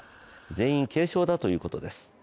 全員軽傷だということです。